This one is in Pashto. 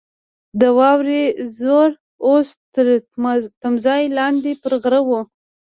د واورې زور اوس تر تمځای لاندې پر غره وو.